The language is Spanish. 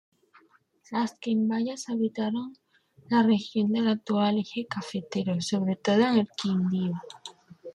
Los Quimbayas habitaron la región del actual Eje cafetero, sobre todo en el Quindío.